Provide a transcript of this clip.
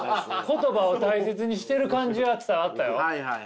言葉を大切にしてる感じは伝わったよ。